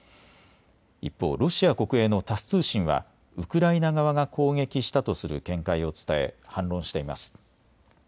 一方、ロシア国営のタス通信はウクライナ側が攻撃したとする見解を伝え反論しています。